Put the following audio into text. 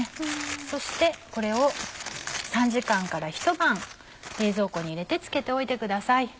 そしてこれを３時間からひと晩冷蔵庫に入れてつけておいてください。